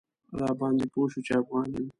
راباندې پوی شو چې افغان یم.